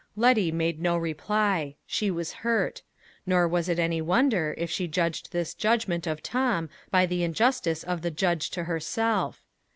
Letty made no reply. She was hurt. Nor was it any wonder if she judged this judgment of Tom by the injustice of the judge to herself.